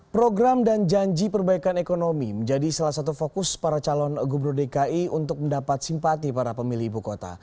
program dan janji perbaikan ekonomi menjadi salah satu fokus para calon gubernur dki untuk mendapat simpati para pemilih ibu kota